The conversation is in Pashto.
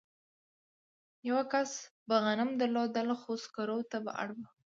یوه کس به غنم درلودل خو سکارو ته به اړ و